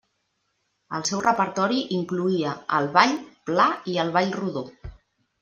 El seu repertori incloïa el ball pla i el ball rodó.